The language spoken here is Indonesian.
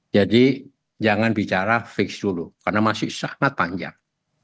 jadi jangan bicara fix dulu karena masih sangat panjang